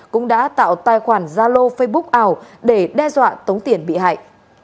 cũng đã tạo tài khoản gia lô facebook ảo để đe dọa tống tiền bị hại